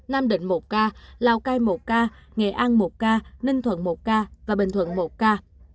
nam định một ca lào cai một ca nghệ an một ca ninh thuận một ca và bình thuận một ca